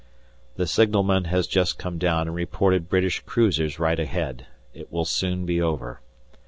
The signalman has just come down and reported British cruisers right ahead; it will soon be over.